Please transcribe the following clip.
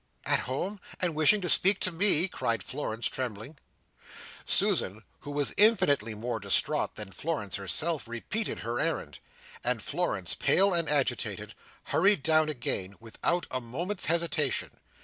"At home! and wishing to speak to me!" cried Florence, trembling. Susan, who was infinitely more distraught than Florence herself, repeated her errand; and Florence, pale and agitated, hurried down again, without a moment's hesitation.